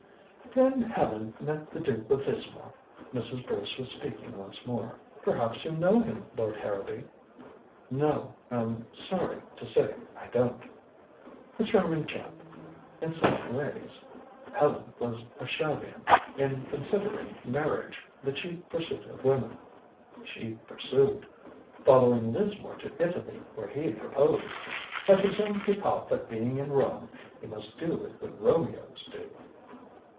"Then Helen met the Duke of Lismore," Mrs. Bruce was speaking once more. "Perhaps you know him, Lord Harrowby?" "No er sorry to say I don't " "A charming chap. In some ways. Helen was a Shavian in considering marriage the chief pursuit of women. She pursued. Followed Lismore to Italy, where he proposed. I presume he thought that being in Rome, he must do as the Romeos do."